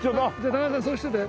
高田さんそうしてて。